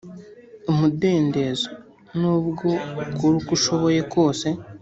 Umudendezo nubwo ukora uko ushoboye kose